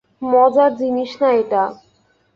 মজার জিনিস না এটা।